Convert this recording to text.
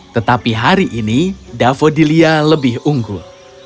tetapi hari ini davodilia lebih unggul